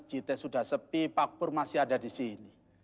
cite sudah sepi pak pur masih ada di sini